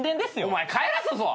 お前帰らすぞ！